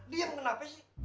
dia yang kenapa sih